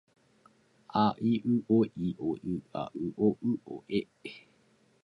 Brighella in English would be therefore something like "Fighty" or "Brawly".